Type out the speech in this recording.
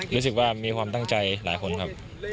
รู้สึกว่ามีความตั้งใจหลายคนครับ